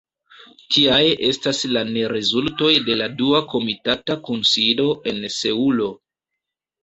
Tiaj estas la nerezultoj de la dua komitata kunsido en Seulo.